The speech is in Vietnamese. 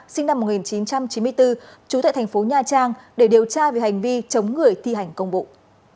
sinh năm một nghìn chín trăm chín mươi bốn chú tệ thành phố nha trang để điều tra về hành vi chống người thi hành công bụng